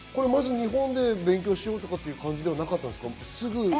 日本で勉強しようとかいう感じではなかったんですか？